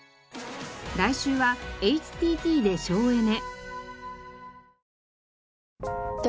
来週はＨＴＴで省エネ。